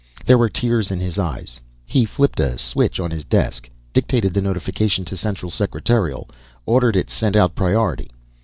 There were tears in his eyes. He flipped a switch on his desk, dictated the notification to Central Secretarial, ordered it sent out priority.